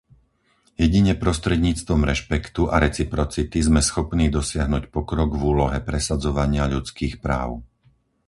Jedine prostredníctvom rešpektu a reciprocity sme schopní dosiahnuť pokrok v úlohe presadzovania ľudských práv.